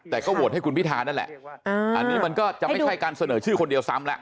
แต่ก็โหวตให้คุณพิธานั่นแหละอันนี้มันก็จะไม่ใช่การเสนอชื่อคนเดียวซ้ำแล้ว